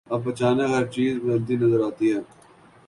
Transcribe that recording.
اب اچانک ہر چیز بدلتی نظر آتی ہے۔